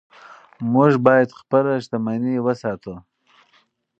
موږ باید خپله شتمني وساتو.